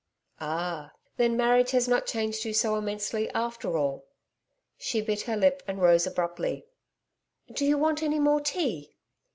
'Ah! Then marriage has not changed you so immensely, after all!' She bit her lip and rose abruptly. 'Do you want any more tea?